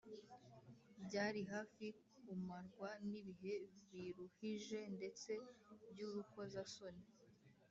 byari hafi kumarwa n’ibihe biruhije ndetse by’urukozasoni